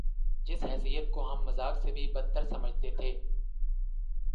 جس حیثیت کو ہم مذاق سے بھی بد تر سمجھتے تھے۔